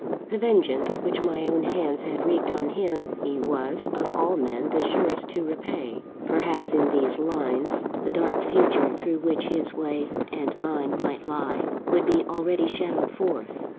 _ The vengeance which my own hands had wreaked on him, he was, of all men the surest to repay. Perhaps, in these lines, the dark future through which his way and mine might lie, would be already shadowed forth.